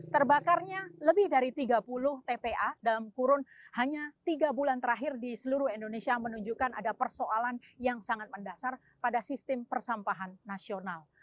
terbakarnya lebih dari tiga puluh tpa dalam kurun hanya tiga bulan terakhir di seluruh indonesia menunjukkan ada persoalan yang sangat mendasar pada sistem persampahan nasional